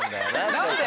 何で？